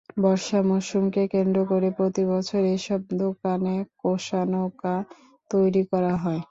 বর্ষা মৌসুমকে কেন্দ্র করে প্রতিবছর এসব দোকানে কোষা নৌকা তৈরি করা হয়।